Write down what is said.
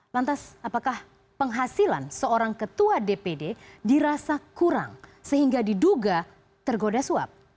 lantas apakah penghasilan seorang ketua dpd dirasa kurang sehingga diduga tergoda suap